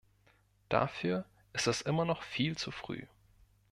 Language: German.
Dafür ist es immer noch viel zu früh.